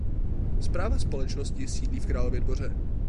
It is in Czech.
Správa společnosti sídlí v Králově Dvoře.